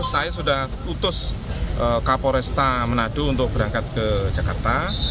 saya sudah utus kapolresta menado untuk berangkat ke jakarta